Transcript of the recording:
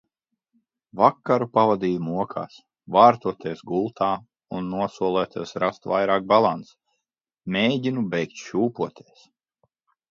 Vakaru pavadīju mokās, vārtoties gultā un nosoloties rast vairāk balansa. Mēģinu beigt šūpoties.